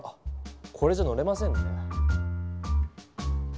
これじゃ乗れませんね。